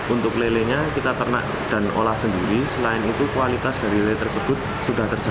untuk lelenya kita ternak dan olah sendiri selain itu kualitas dari lele tersebut sudah tersedia